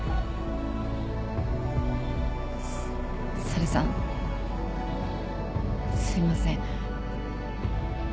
猿さんすいません。